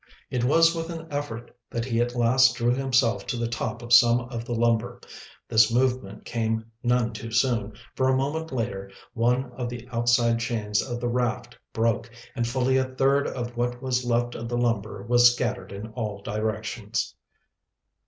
It was with an effort that he at last drew himself to the top of some of the lumber. This movement came none too soon, for a moment later one of the outside chains of the raft broke, and fully a third of what was left of the lumber was scattered in all directions.